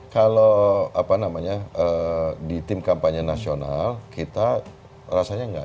kalau apa namanya di tim kampanye nasional kita rasanya enggak